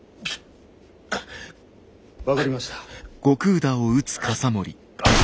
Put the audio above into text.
分かりました。